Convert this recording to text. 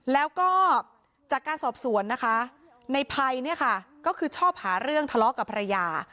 แล้วก็จากการสอบสวนนะคะในภัยเนี่ยค่ะก็คือชอบหาเรื่องทะเลาะกับภรรยา